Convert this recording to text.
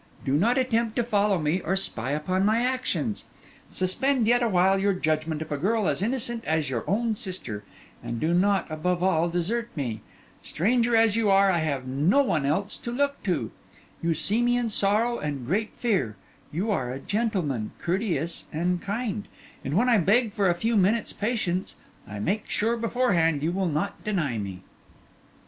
Do not attempt to follow me or spy upon my actions. Suspend yet awhile your judgment of a girl as innocent as your own sister; and do not, above all, desert me. Stranger as you are, I have none else to look to. You see me in sorrow and great fear; you are a gentleman, courteous and kind: and when I beg for a few minutes' patience, I make sure beforehand you will not deny me.